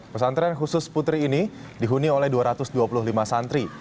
pesantren khusus putri ini dihuni oleh dua ratus dua puluh lima santri